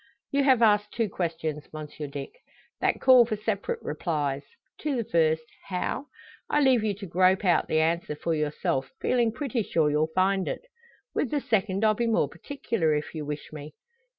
"You have asked two questions, Monsieur Dick, that call for separate replies. To the first, `How?' I leave you to grope out the answer for yourself, feeling pretty sure you'll find it. With the second I'll be more particular, if you wish me.